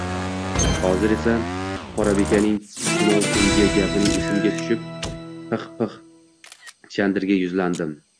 Hozir esa Qorabekaning tunov kungi gapi esimga tushib, Pixpix Chandrga yuzlandim: